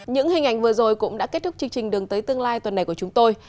những hình ảnh vừa rồi cũng đã kết thúc chương trình đường tới tương lai tuần này của chúng tôi